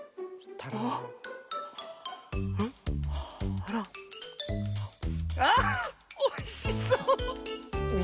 あら。あっおいしそう！